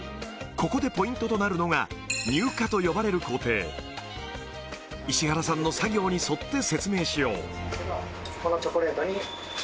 ここでポイントとなるのが乳化と呼ばれる工程石原さんの作業に沿って説明しよう